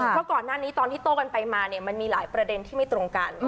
เพราะก่อนหน้านี้ตอนที่โต้กันไปมาเนี่ยมันมีหลายประเด็นที่ไม่ตรงกัน